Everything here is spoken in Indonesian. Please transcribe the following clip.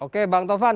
oke bang tovan